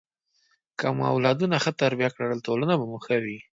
که مو اولادونه ښه تربیه کړل، ټولنه به مو ښه وي.